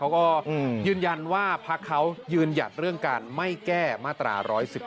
เขาก็ยืนยันว่าพักเขายืนหยัดเรื่องการไม่แก้มาตรา๑๑๒